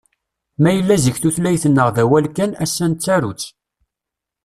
Ma yella zik tutlayt-nneɣ d awal kan, ass-a nettaru-tt.